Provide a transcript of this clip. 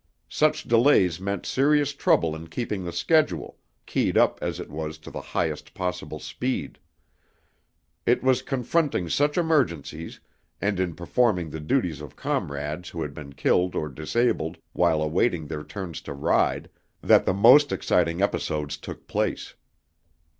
Such delays meant serious trouble in keeping the schedule, keyed up, as it was, to the highest possible speed. It was confronting such emergencies, and in performing the duties of comrades who had been killed or disabled while awaiting their turns to ride, that the most exciting episodes took place.